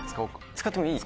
使ってもいい？